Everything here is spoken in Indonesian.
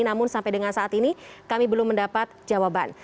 namun sampai dengan saat ini kami belum mendapat jawaban